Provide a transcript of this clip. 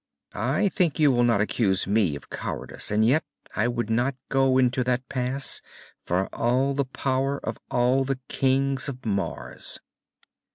"I think you will not accuse me of cowardice. And yet I would not go into that pass for all the power of all the kings of Mars!"